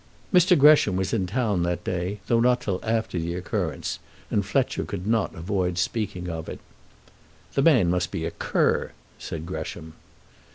Mr. Gresham was in the town that day, though not till after the occurrence, and Fletcher could not avoid speaking of it. "The man must be a cur," said Gresham.